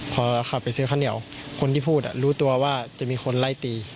พอขับไปซื้อข้าวเหนียวคนที่พูดรู้ตัวว่าจะมีคนไล่ตี